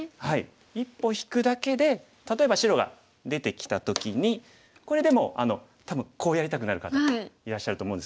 一歩引くだけで例えば白が出てきた時にこれでも多分こうやりたくなる方いらっしゃると思うんです。